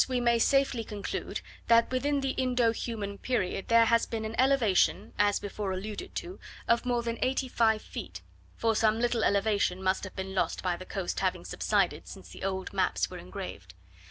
Hence we may safely conclude, that within the Indo human period there has been an elevation, as before alluded to, of more than eighty five feet; for some little elevation must have been lost by the coast having subsided since the old maps were engraved.